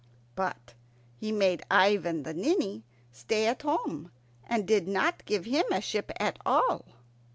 But he made Ivan the Ninny stay at home, and did not give him a ship at all.